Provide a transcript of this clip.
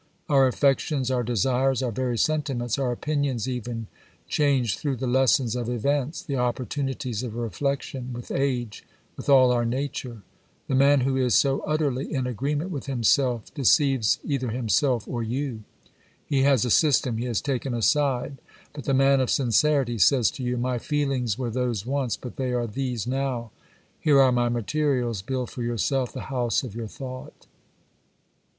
Our affections, our desires, our very sentiments, our opinions even, change through the lessons of events, the opportunities of reflection, with age, with all our nature. The man who is so utterly in agreement with himself deceives either himself or you. He has a system, he has taken a side. But the man of sincerity says to you :" My feelings were those once, but they are these now ; here are my materials, build for yourself the house of your thought."